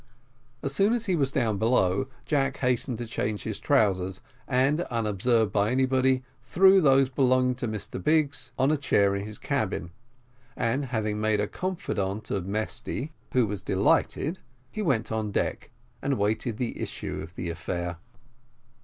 As soon as he was down below, Jack hastened to change his trousers, and, unobserved by any one, threw those belonging to Mr Biggs on a chair in his cabin, and, having made a confidant of Mesty, who was delighted, he went on deck, and waited the issue of the affair.